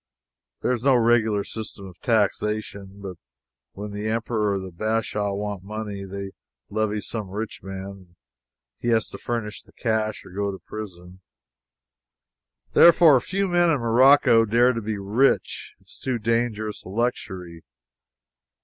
There is no regular system of taxation, but when the Emperor or the Bashaw want money, they levy on some rich man, and he has to furnish the cash or go to prison. Therefore, few men in Morocco dare to be rich. It is too dangerous a luxury.